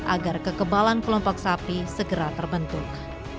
agar kekebalan kelompok sapi segera terbentuk